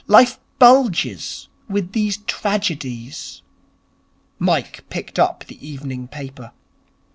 Life bulges with these tragedies.' Mike picked up the evening paper.